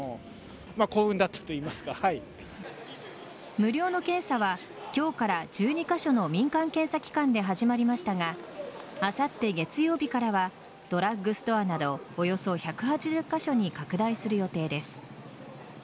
無料の検査は今日から１２カ所の民間検査機関で始まりましたがあさって月曜日からはドラッグストアなどおよそ１８０カ所に拡大する予定です。